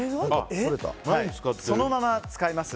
そのまま使えます。